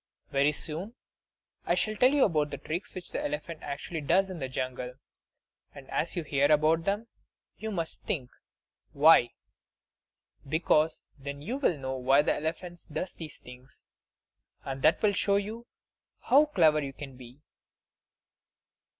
Very soon I shall tell you about the tricks which the elephant actually does in the jungle; and as you hear about them, you must think! Why? Because then you will know why the elephant does these things and that will show you how clever you can be!